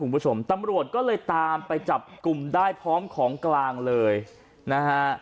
คุณผู้ชมตำรวจก็เลยตามไปจับกลุ่มได้พร้อมของกลางเลยนะฮะ